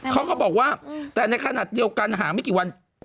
เขาก็บอกว่าแต่ในขณะเดียวกันหาไม่กี่วัน